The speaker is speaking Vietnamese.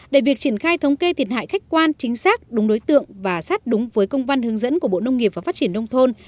để việc triển khai thống kê thiệt hại khách quan chính xác đúng đối tượng và sát đúng với công văn hướng dẫn của bộ nông nghiệp và phát triển nông thôn